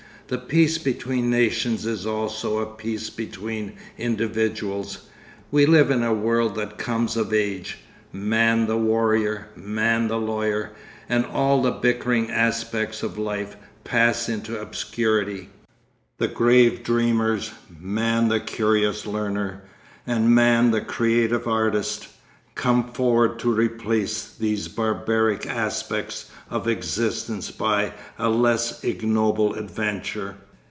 The peace between nations is also a peace between individuals. We live in a world that comes of age. Man the warrior, man the lawyer, and all the bickering aspects of life, pass into obscurity; the grave dreamers, man the curious learner, and man the creative artist, come forward to replace these barbaric aspects of existence by a less ignoble adventure.